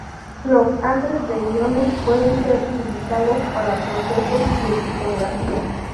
Los haces de iones pueden ser utilizados para procesos de litografía.